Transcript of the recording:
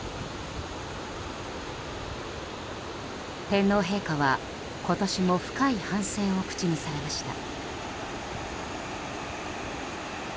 天皇陛下は今年も深い反省を口にされました。